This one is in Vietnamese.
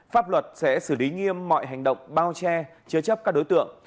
pháp luật sẽ xử lý nghiêm mọi hành động bao che chứa chấp các đối tượng